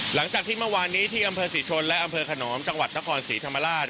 หลังจากที่เมื่อวานนี้ที่อำเภอศรีชนและอำเภอขนอมจังหวัดนครศรีธรรมราช